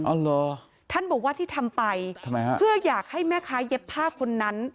เหรอท่านบอกว่าที่ทำไปทำไมฮะเพื่ออยากให้แม่ค้าเย็บผ้าคนนั้น